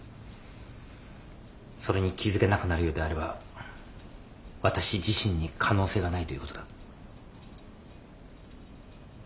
それに気付けなくなるようであれば私自身に可能性がないということだ。